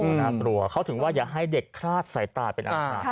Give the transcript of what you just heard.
โหนักหัวเขาถึงว่าอย่าให้เด็กคลาดใส่ตาเป็นอัตฑะ